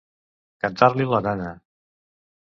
Cantar-li la nana.